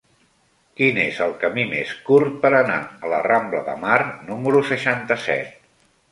Quin és el camí més curt per anar a la rambla de Mar número seixanta-set?